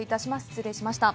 失礼しました。